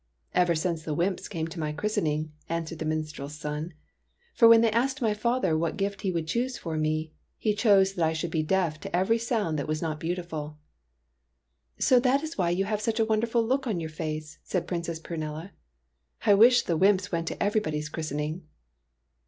" Ever since the wymps came to my chris tening," answered the minstrel's son. " For when they asked my father what gift he would choose for me, he chose that I should TEARS OF PRINCESS PRUNELLA III be deaf to every sound that was not beauti " So that is why you have such a wonderful look on your face," said Princess Prunella. " I wish the wymps went to everybody's chris tening